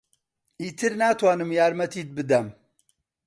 ئیتر ناتوانم یارمەتیت بدەم.